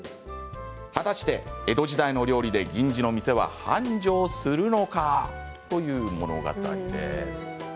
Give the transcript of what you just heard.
果たして江戸時代の料理で銀次の店は繁盛するのかという物語です。